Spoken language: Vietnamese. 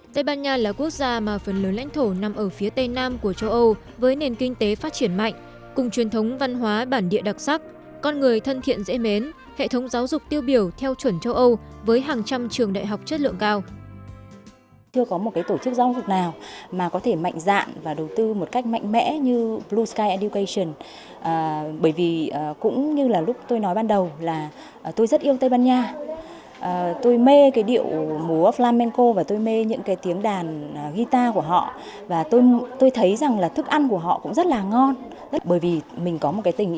tây ban nha là quốc gia mà phần lớn lãnh thổ nằm ở phía tây nam của châu âu với nền kinh tế phát triển mạnh cùng truyền thống văn hóa bản địa đặc sắc con người thân thiện dễ mến hệ thống giáo dục tiêu biểu theo chuẩn châu âu với hàng trăm trường đại học chất lượng cao